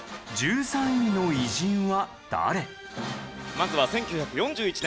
まずは１９４１年。